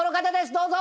どうぞ！